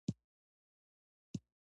لوگر د افغانستان طبعي ثروت دی.